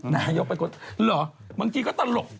นายกเป็นคนเหรอบางทีก็ตลก